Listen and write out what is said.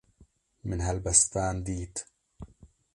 Min helbestvan dît.